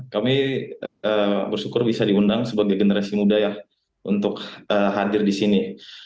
kami bersyukur bisa diundang sebagai generasi muda ya untuk hadir di sini